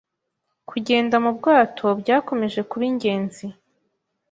Kugenda mu bwato byakomeje kuba ingenzi